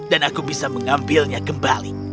dan aku bisa mengambilnya kembali